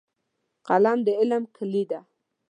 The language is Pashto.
قلم د علم کیلي ده.